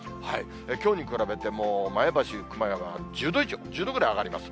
きょうに比べて、前橋、熊谷は１０度以上、１０度ぐらい上がります。